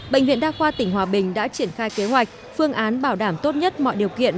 bệnh viện đa khoa tỉnh hòa bình đã triển khai kế hoạch phương án bảo đảm tốt nhất mọi điều kiện